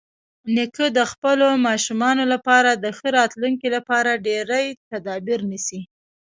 نیکه د خپلو ماشومانو لپاره د ښه راتلونکي لپاره ډېری تدابیر نیسي.